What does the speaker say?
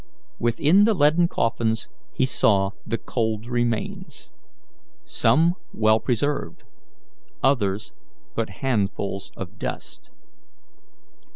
Within the leaden coffins he saw the cold remains; some well preserved, others but handfuls of dust.